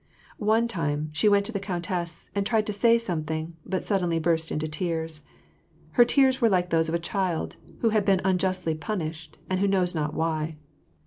One time, she went to the countess, and tried to say some thing, but suddenly burst into tears. Her tears were like those of a child, who has been unjustly punished, and knows not why.